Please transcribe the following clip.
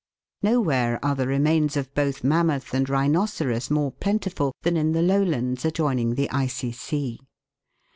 Nowhere are the remains of both mammoth and rhinoceros more plentiful than in the lowlands adjoining the Icy Sea.